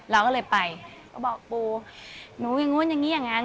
เราก็เลยไปก็บอกปูหนูอย่างนู้นอย่างนี้อย่างนั้น